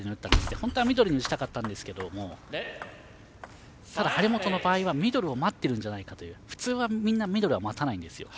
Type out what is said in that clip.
本当はミドルにしたかったと思うんですけどただ、張本の場合はミドルを待ってるんじゃないかという普通、みんなミドルは待たないんですよ。